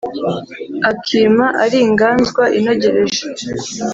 Akima ari inganzwa inogereje